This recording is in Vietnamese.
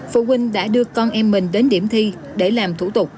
phụ huynh đã đưa con em mình đến điểm thi để làm thủ tục